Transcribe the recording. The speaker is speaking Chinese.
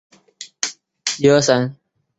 曾出任山西大学校长。